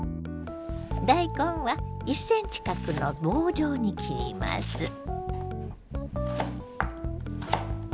大根は１ｃｍ角の棒状に切ります。